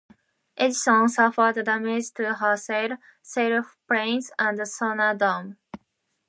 "Edison" suffered damage to her sail, sail planes, and sonar dome.